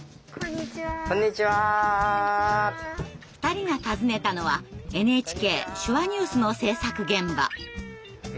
２人が訪ねたのは「ＮＨＫ手話ニュース」の制作現場。